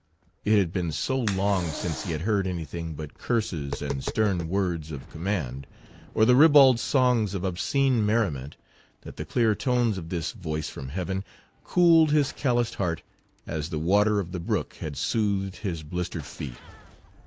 It had been so long since he had heard anything but curses and stern words of command, or the ribald songs of obscene merriment, that the clear tones of this voice from heaven cooled his calloused heart as the water of the brook had soothed his blistered feet.